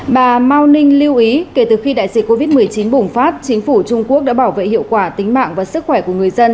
bà mao ninh lưu ý kể từ khi đại dịch covid một mươi chín bùng phát chính phủ trung quốc đã bảo vệ hiệu quả tính mạng và sức khỏe của người dân